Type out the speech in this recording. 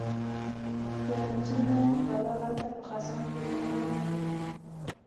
د رنځونو بلا هلته په خزان کې لنګه کیږي